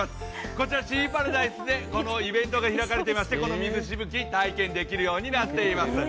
こちらシーパラダイスでこのイベントが開かれていまして、この水しぶき、体験できるようになっています。